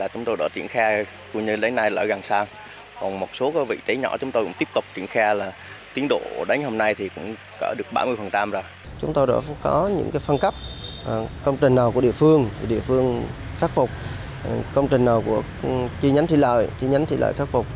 công trình nào của địa phương thì địa phương khắc phục công trình nào của chi nhánh thủy lợi thì nhánh thủy lợi khắc phục